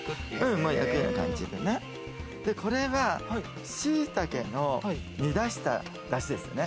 これが、しいたけの煮出したダシですね。